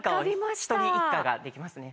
１人一家ができますね。